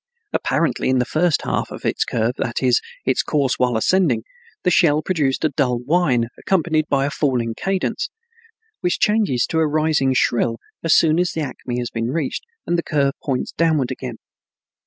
Apparently in the first half of its curve, that is, its course while ascending, the shell produced a dull whine accompanied by a falling cadence, which changes to a rising shrill as soon as the acme has been reached and the curve points downward again.